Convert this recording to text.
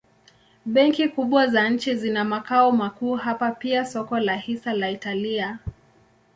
Benki kubwa za nchi zina makao makuu hapa pia soko la hisa la Italia.